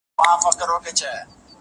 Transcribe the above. په اوږو چې جنازې وړو ډولۍ نشته